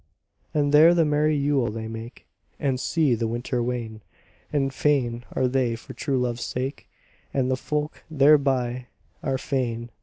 And there the merry yule they make, And see the winter wane, And fain are they for true love's sake, And the folk thereby are fain.